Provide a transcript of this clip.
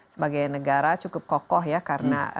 sebagai negara cukup kokoh ya karena